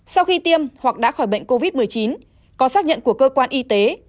sau khi tiêm hoặc đã khỏi bệnh covid một mươi chín có xác nhận của cơ quan y tế